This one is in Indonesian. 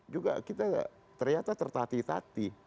juga kita ternyata tertati tati